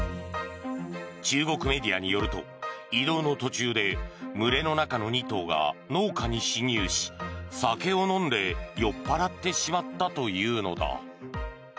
中国メディアによると移動の途中で群れの中の２頭が農家に侵入し酒を飲んで酔っ払ってしまったというのだ。